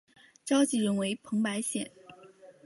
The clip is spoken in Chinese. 召集人为彭百显。